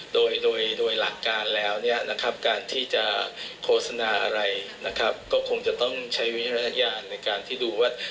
โดยโดยหลักการแล้วเนี่ยนะครับการที่จะโฆษณาอะไรนะครับก็คงจะต้องใช้วิจารณญาณในการที่ดูว่า